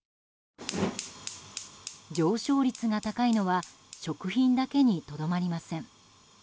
上昇率が高いのは食品だけにとどまりません。